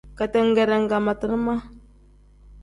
Ketengere nkangmatina ma.